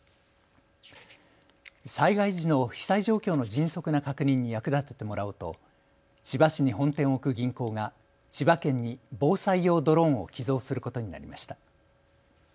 災害時の被災状況の迅速な確認に役立ててもらおうと千葉市に本店を置く銀行が千葉県に防災用ドローンを寄贈することになりました。